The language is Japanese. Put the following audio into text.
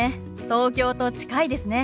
東京と近いですね。